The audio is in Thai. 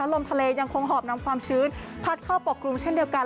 ลมทะเลยังคงหอบนำความชื้นพัดเข้าปกครุมเช่นเดียวกัน